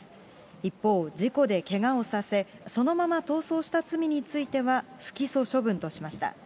一方、事故でけがをさせ、そのまま逃走した罪については、不起訴処分としました。